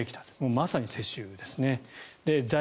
まさに世襲ですね。